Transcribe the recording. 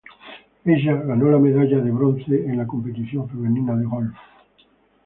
Ella ganó la medalla de bronce en la competición femenina de golf.